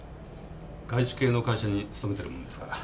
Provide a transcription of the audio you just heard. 外資系の会社に勤めているものですから。